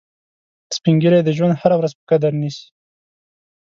سپین ږیری د ژوند هره ورځ په قدر نیسي